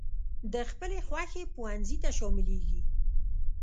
د خپلې خوښي پونځي ته شاملېږي.